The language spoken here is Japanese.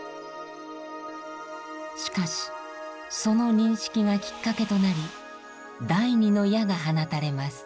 しかしその認識がきっかけとなり第二の矢が放たれます。